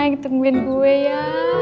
mike tungguin gue ya